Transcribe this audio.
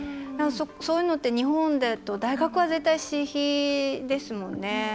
そういうのって日本だと大学は絶対、私費ですもんね。